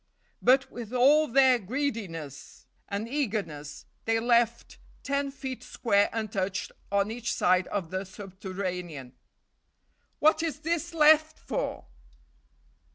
But, with all their greediness and eagerness, they left ten feet square untouched on each side the subterranean. "What is this left for?"